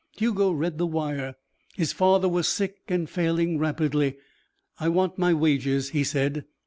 Hugo read the wire. His father was sick and failing rapidly. "I want my wages," he said.